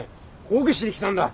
抗議しに来たんだ！